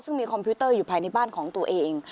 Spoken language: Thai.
ซึ่งมีคอมพิวเตอร์อยู่ภายในบ้านของตัวเอง